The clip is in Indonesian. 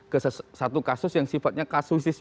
ke satu kasus yang sifatnya kasus